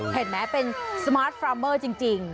เห็นไหมเป็นสมาร์ทฟราเมอร์จริง